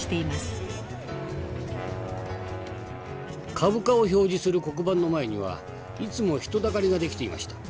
「株価を表示する黒板の前にはいつも人だかりが出来ていました。